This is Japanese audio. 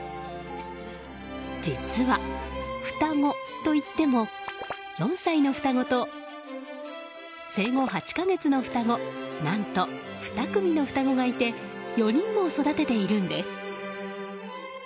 実は、双子といっても４歳の双子と生後８か月の双子何と、２組の双子がいて４人も育てているんです。